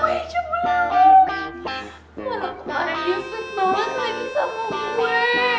malah kemarin dia sed banget main sama gue